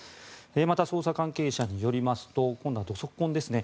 また、捜査関係者によりますと今度は土足痕ですね。